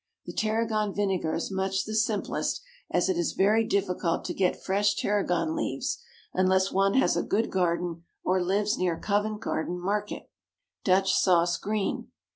The tarragon vinegar is much the simplest, as it is very difficult to get fresh tarragon leaves unless one has a good garden or lives near Covent Garden Market. DUTCH SAUCE (GREEN).